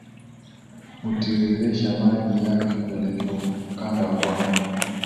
hutiririsha maji yake kuelekea ukanda wa pwani